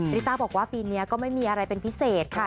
ริต้าบอกว่าปีนี้ก็ไม่มีอะไรเป็นพิเศษค่ะ